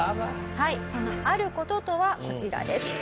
はいそのある事とはこちらです。